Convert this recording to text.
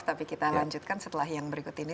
tapi kita lanjutkan setelah yang berikut ini